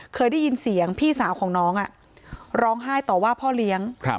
เคยได้ยินเสียงพี่สาวของน้องร้องไห้ต่อว่าพ่อเลี้ยง